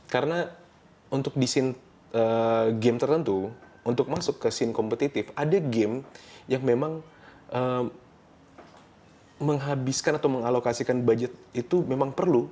karena untuk di scene game tertentu untuk masuk ke scene kompetitif ada game yang memang menghabiskan atau mengalokasikan budget itu memang perlu